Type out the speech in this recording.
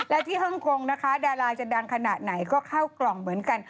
และที่ฮ่องกงนะคะดาราจะดังขนาดไหนก็เข้ากล่องเหมือนกัน